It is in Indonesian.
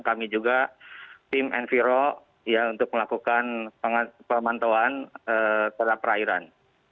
kami juga tim enviro untuk melakukan pemantauan terhadap perairan